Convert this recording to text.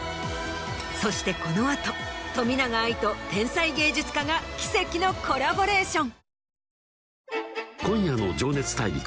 そしてこの後冨永愛と天才芸術家が奇跡のコラボレーション。